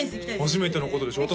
初めてのことでしょ？